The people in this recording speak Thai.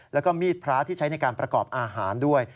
แล้วก็มีดพระที่ใช้ในการประกอบอาหารด้วย